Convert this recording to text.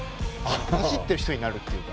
走ってる人になるっていうか。